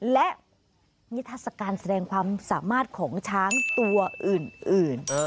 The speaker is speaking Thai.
และนิทัศกาลแสดงความสามารถของช้างตัวอื่น